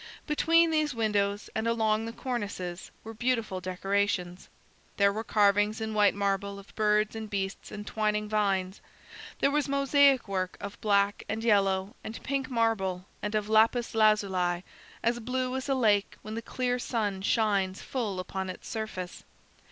Between these windows, and along the cornices, were beautiful decorations. There were carvings in white marble of birds and beasts and twining vines. There was mosaic work of black and yellow and pink marble and of lapis lazuli, as blue as a lake when the clear sun shines full upon its surface.